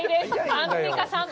アンミカさん。